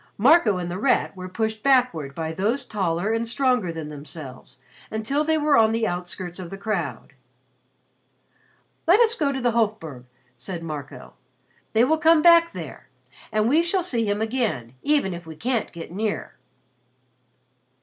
Marco and The Rat were pushed backward by those taller and stronger than themselves until they were on the outskirts of the crowd. "Let us go to the Hofburg," said Marco. "They will come back there, and we shall see him again even if we can't get near."